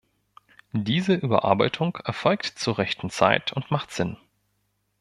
Diese Überarbeitung erfolgt zur rechten Zeit und macht Sinn.